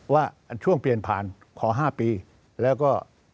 ว่าช่วงเปลี่ยนผ่านขอ๕ปีแล้วก็